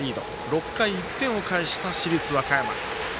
６回１点を返した、市立和歌山。